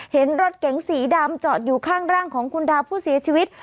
เห็นรถเก๋งสีดำจอดอยู่ข้างร่างของคุณดาวผู้เสียชีวิต